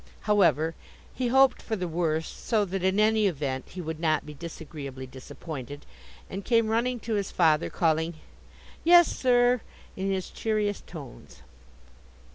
However, he hoped for the worst, so that in any event he would not be disagreeably disappointed, and came running to his father, calling "Yes, sir!" in his cheeriest tones.